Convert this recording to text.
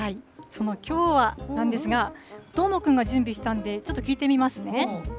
そのきょうはなんですが、どーもくんが準備したんで、ちょっと聞いてみますね。